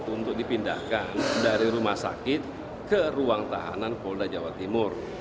untuk dipindahkan dari rumah sakit ke ruang tahanan polda jawa timur